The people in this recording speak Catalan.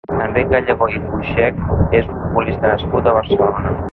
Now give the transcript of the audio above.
Enric Gallego i Puigsech és un futbolista nascut a Barcelona.